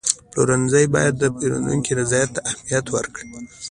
پلورنځی باید د پیرودونکو رضایت ته اهمیت ورکړي.